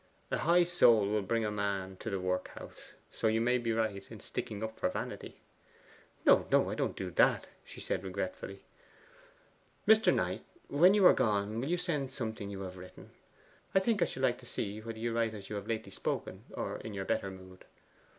A high soul will bring a man to the workhouse; so you may be right in sticking up for vanity.' 'No, no, I don't do that,' she said regretfully. Mr. Knight, when you are gone, will you send me something you have written? I think I should like to see whether you write as you have lately spoken, or in your better mood.